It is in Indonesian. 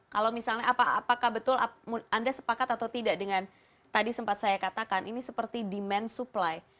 kalau misalnya apakah betul anda sepakat atau tidak dengan tadi sempat saya katakan ini seperti demand supply